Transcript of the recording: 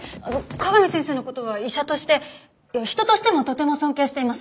香美先生の事は医者として人としてもとても尊敬しています。